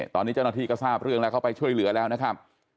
ตอนนี้เจ้าหน้าที่ก็ทราบเรื่องแล้วเข้าไปช่วยเหลือแล้วนะครับ